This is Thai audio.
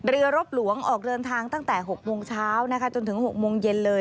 รบหลวงออกเดินทางตั้งแต่๖โมงเช้านะคะจนถึง๖โมงเย็นเลย